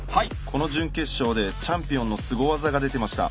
この準決勝でチャンピオンのスゴ技が出てました。